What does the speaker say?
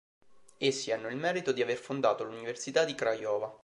Essi hanno il merito di aver fondato l'Università di Craiova.